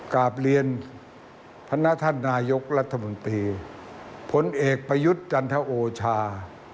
กลับเรียนพนักท่านนายกรัฐมนตรีผลเอกประยุทธ์จันทโอชา